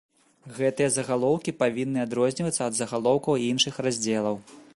Гэтыя загалоўкі павінны адрознівацца ад загалоўкаў іншых раздзелаў.